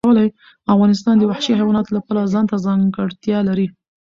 افغانستان د وحشي حیواناتو له پلوه ځانته ځانګړتیا لري.